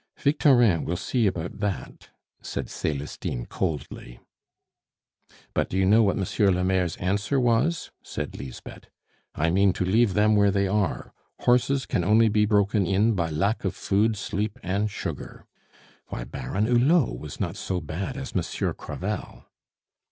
"Victorin will see about that," said Celestine coldly. "But do you know what Monsieur le Maire's answer was?" said Lisbeth. "'I mean to leave them where they are. Horses can only be broken in by lack of food, sleep, and sugar.' Why, Baron Hulot was not so bad as Monsieur Crevel.